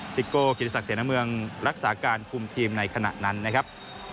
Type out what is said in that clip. ซิโก้กิติศักดิเสนอเมืองรักษาการคุมทีมในขณะนั้นนะครับ